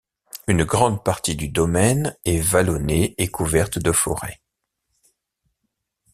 Une grande partie du domaine est vallonnée et couverte de forêts.